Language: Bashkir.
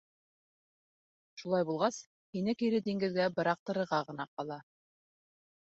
Шулай булғас, һине кире диңгеҙгә быраҡтырырға ғына ҡала.